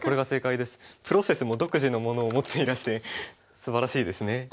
プロセスも独自のものを持っていらしてすばらしいですね。